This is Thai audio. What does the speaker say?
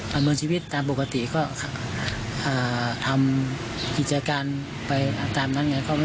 ประเมินชีวิตตามปกติก็ทำกิจการไปตามนั้นไงก็ไม่มี